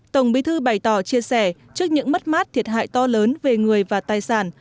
tổng bí thư bày tỏ chia sẻ trước những mất mát thiệt hại to lớn về người và tài sản